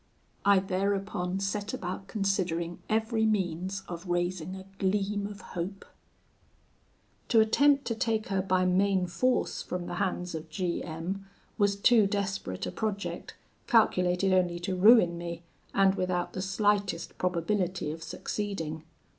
I thereupon set about considering every means of raising a gleam of hope. "To attempt to take her by main force from the hands of G M was too desperate a project, calculated only to ruin me, and without the slightest probability of succeeding.